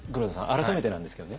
改めてなんですけどね